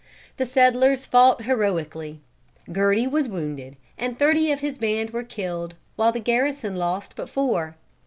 The settlers fought heroically. Gerty was wounded, and thirty of his band were killed, while the garrison lost but four.